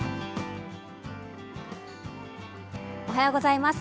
おはようございます。